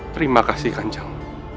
terima kasih kanjong